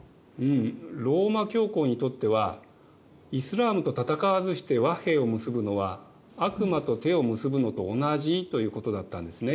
ローマ教皇にとってはイスラームと戦わずして和平を結ぶのは悪魔と手を結ぶのと同じということだったんですね。